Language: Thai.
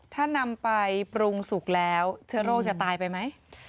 ถ้านำไปปรุงสุกแล้วเชื้อโรคจะตายไปไหม